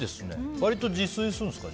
割と自炊するんですか。